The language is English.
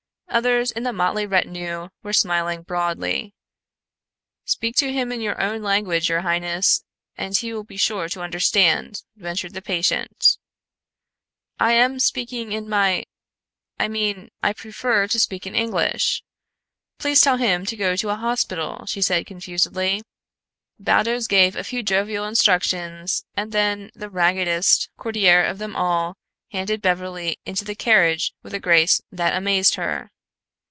Others in the motley retinue were smiling broadly. "Speak to him in your own language, your highness, and he will be sure to understand," ventured the patient. "I am speaking in my I mean, I prefer to speak in English. Please tell him to go to a hospital," she said confusedly. Baldos gave a few jovial instructions, and then the raggedest courtier of them all handed Beverly into the carriage with a grace that amazed her.